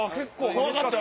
怖かった。